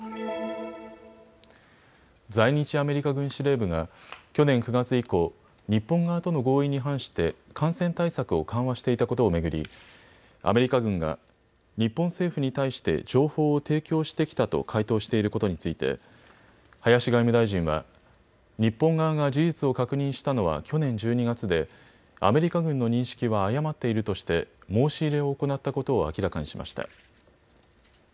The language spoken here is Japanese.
在日アメリカ軍司令部が去年９月以降、日本側との合意に反して感染対策を緩和していたことを巡り、アメリカ軍が日本政府に対して情報を提供してきたと回答していることについて、林外務大臣は、日本側が事実を確認したのは去年１２月でアメリカ軍の認識は誤っているとして申し入れを行ったことを明らかにしました。